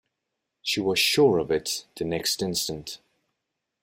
She was sure of it the next instant.